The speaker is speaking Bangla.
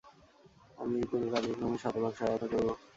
আমি এই পুরো কার্যক্রমে শতভাগ সহায়তা করব।